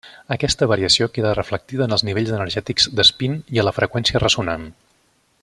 Aquesta variació queda reflectida en els nivells energètics d'espín i a la freqüència ressonant.